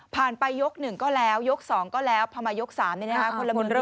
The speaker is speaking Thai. ไปยก๑ก็แล้วยก๒ก็แล้วพอมายก๓เนี่ยนะคะ